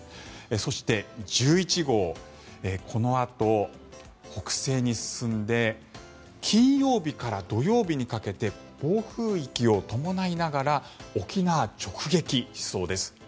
そして、１１号このあと北西に進んで金曜日から土曜日にかけて暴風域を伴いながら沖縄に直撃しそうです。